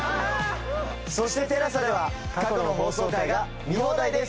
そしてＴＥＬＡＳＡでは過去の放送回が見放題です。